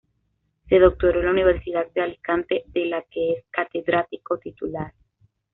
Se doctoró en la Universidad de Alicante, de la que es Catedrático titular.